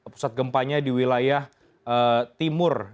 pusat gempanya di wilayah timur